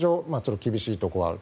厳しいところはあると。